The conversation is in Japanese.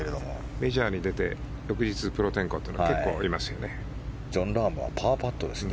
メジャーに出て翌日プロ転向っていうのは結構いますよね。